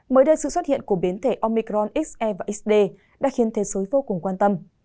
mới đây sự xuất hiện của biến thể omicron se và sd đã khiến thế giới vô cùng quan tâm